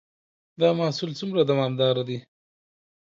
دا محصول څومره دوامدار دی؟